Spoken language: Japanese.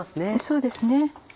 そうですね。